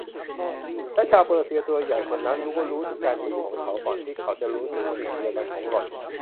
และชาวเปอร์เซียตัวใหญ่คนนั้นก็รู้ถึงการมีอยู่ของเขาก่อนที่เขาจะรู้ถึงสิ่งเดียวกันของหล่อน